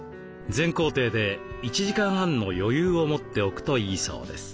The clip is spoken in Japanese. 全行程で１時間半の余裕を持っておくといいそうです。